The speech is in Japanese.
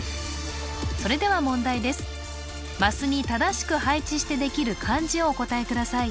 それでは問題ですマスに正しく配置してできる漢字をお答えください